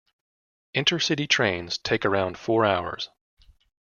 Inter-city trains take around four hours.